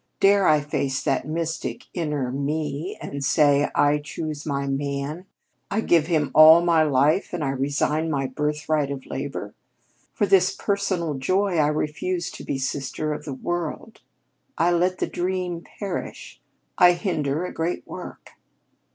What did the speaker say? Dare I face that mystic, inner ME and say: 'I choose my man, I give him all my life, and I resign my birthright of labor. For this personal joy I refuse to be the Sister of the World; I let the dream perish; I hinder a great work'?